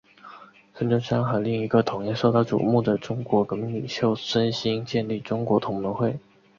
孙中山和另一个同样受到瞩目的中国革命领袖黄兴建立中国同盟会。